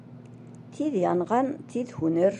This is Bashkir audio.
Тиҙ янған тиҙ һүнер.